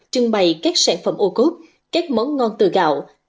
trưng bày các sản phẩm ô cốt các món ngon từ gạo